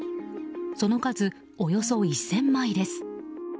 その数、およそ１０００枚です。